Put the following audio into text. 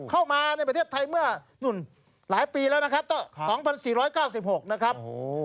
เข้ามาในประเทศไทยเมื่อนู่นหลายปีแล้วนะครับก็๒๔๙๖นะครับ